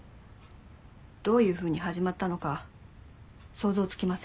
どういうふうに始まったのか想像つきません。